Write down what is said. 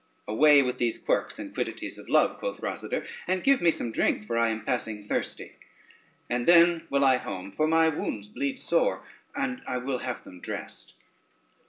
"Away with these quirks and quiddities of love," quoth Rosader, "and give me some drink, for I am passing thirsty, and then will I home, for my wounds bleed sore, and I will have them dressed."